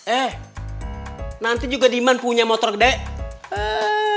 eh nanti juga dimana punya motor besar